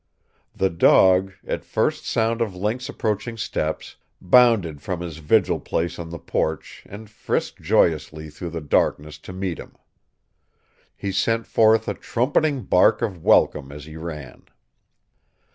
The dog, at first sound of Link's approaching steps, bounded from his vigil place on the porch and frisked joyously through the darkness to meet him. He sent forth a trumpeting bark of welcome as he ran.